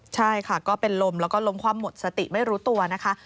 ใช่ค่ะก็เป็นลมแล้วก็ล้มคว่ำหมดสติไม่รู้ตัวนะคะ